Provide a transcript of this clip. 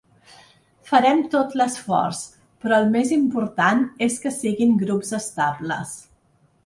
Farem tot l’esforç, però el més important és que siguin grups estables.